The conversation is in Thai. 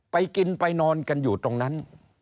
ไปกินไปนอนกันอยู่ตรงนั้น